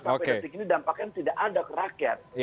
karena ketika ini dampaknya tidak ada ke rakyat